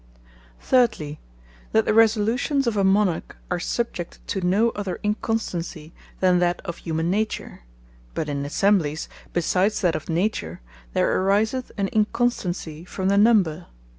Thirdly, that the Resolutions of a Monarch, are subject to no other Inconstancy, than that of Humane Nature; but in Assemblies, besides that of Nature, there ariseth an Inconstancy from the Number.